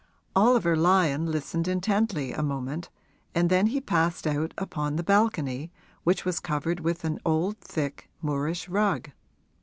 Oliver Lyon listened intently a moment, and then he passed out upon the balcony, which was covered with an old thick Moorish rug.